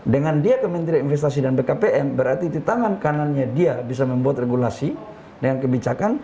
dengan dia kementerian investasi dan bkpm berarti di tangan kanannya dia bisa membuat regulasi dengan kebijakan